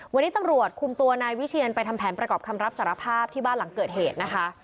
วันนี้ตำรวจคุมตัวนายวิเชียนไปทำแผนประกอบคำรับสารภาพที่บ้านหลังเกิดเหตุนะคะ